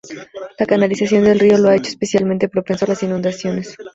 La canalización del río lo ha hecho especialmente propenso a las inundaciones.